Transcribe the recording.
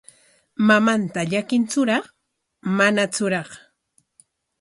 ¿Mamanta llakintsuraq manatsuraq?